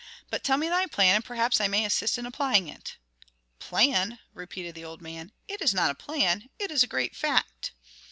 But tell me thy plan and perhaps I may assist in applying it." "Plan?" repeated the old man. "It is not a plan, it is a great fact."